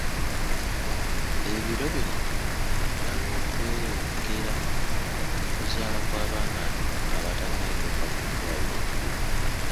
Ebiro bino waliwo okweyongera mu kuzaala kw'abaana abatanneetuuka ku ddwaaliro ekkulu.